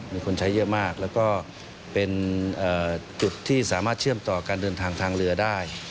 มีคนใช้เยอะมากแล้วก็เป็นจุดที่สามารถเชื่อมต่อการเดินทางทางเรือได้